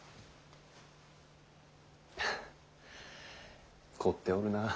フッ凝っておるなあ。